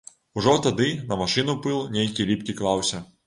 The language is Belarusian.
Ужо тады на машыну пыл нейкі ліпкі клаўся.